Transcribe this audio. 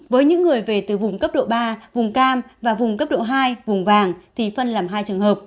với những người về từ vùng cấp độ ba vùng cam và vùng cấp độ hai vùng vàng thì phân làm hai trường hợp